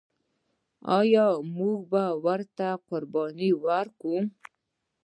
آیا موږ ورته قرباني ورکوو؟